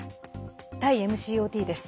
タイＭＣＯＴです。